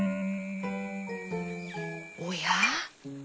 おや？